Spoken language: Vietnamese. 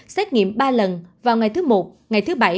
xét nghiệm ba lần vào ngày thứ một ngày thứ bảy